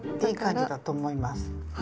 いい感じだと思います。